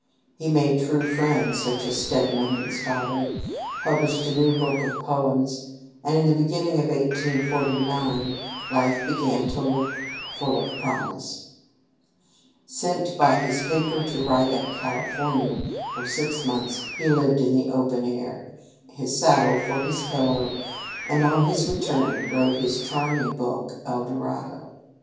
He made true friends, such as Stedman and Stoddard, published a new book of poems; and in the beginning of 1849 life began to look full of promise. Sent by his paper to write up California, for six months he lived in the open air, his saddle for his pillow, and on his return wrote his charming book "El dorado."